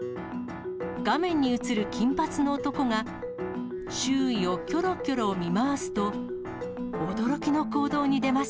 画面に映る金髪の男が、周囲をきょろきょろ見回すと、驚きの行動に出ます。